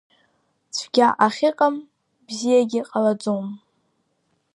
Цәгьа ахьыҟам, бзиагьы ҟалаӡом!